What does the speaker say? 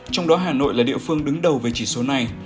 trong đó hà nội là địa phương đứng đầu về chỉ số này